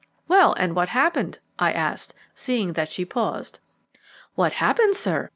"Well, and what happened?" I asked, seeing that she paused. "What happened, sir?